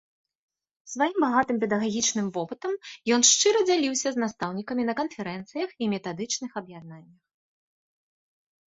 Сваім багатым педагагічным вопытам ён шчыра дзяліўся з настаўнікамі на канферэнцыях і метадычных аб'яднаннях.